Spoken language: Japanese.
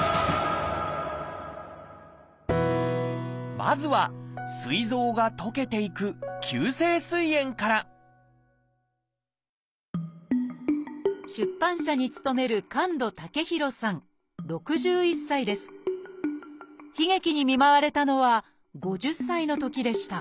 まずはすい臓が溶けていく出版社に勤める悲劇に見舞われたのは５０歳のときでした